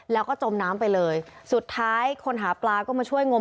แล้วก็จมน้ำไปเลยสุดท้ายคนหาปลาก็มาช่วยงม